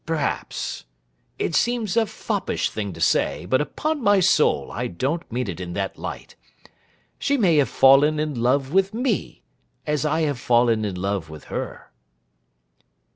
Perhaps—it seems a foppish thing to say, but upon my soul I don't mean it in that light—she may have fallen in love with me, as I have fallen in love with her.